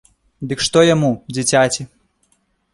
Дык што яму, дзіцяці?